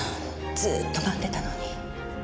ずっと待ってたのに。